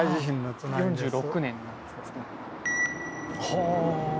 「はあ」